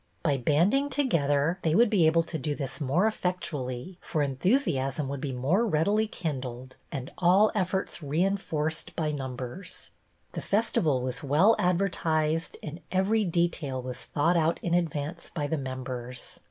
By banding together they would be able to do this more effectu ally, for enthusiasm would be more readily kindled and all efforts reinforced by numbers. The festival was well advertised and every detail was thought out in advance by the members.